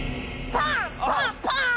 パンパン！